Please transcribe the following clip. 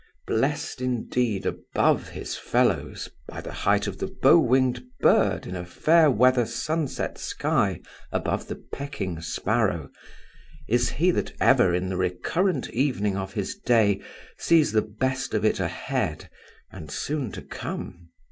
Blessed indeed above his fellows, by the height of the bow winged bird in a fair weather sunset sky above the pecking sparrow, is he that ever in the recurrent evening of his day sees the best of it ahead and soon to come.